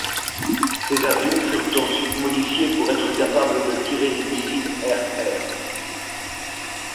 Ces avions furent ensuite modifiés pour être capables de tirer des missiles air-air.